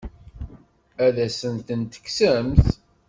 Ad asent-tent-tekksemt?